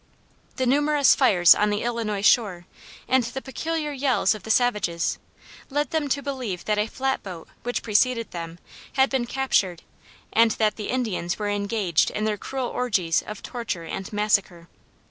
The numerous fires on the Illinois shore and the peculiar yells of the savages led them to believe that a flat boat which preceded them had been captured and that the Indians were engaged in their cruel orgies of torture and massacre.